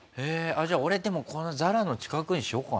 じゃあ俺でもこの座羅の近くにしようかな。